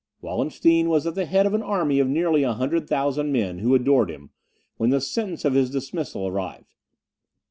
Wallenstein was at the head of an army of nearly a hundred thousand men who adored him, when the sentence of his dismissal arrived.